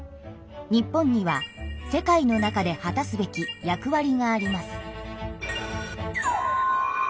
日本には世界の中で果たすべき役わりがあります。